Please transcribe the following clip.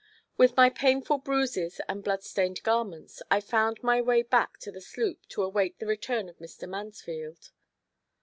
With my painful bruises and blood stained garments I found my way back to the sloop to await the return of Mr. Mansfield.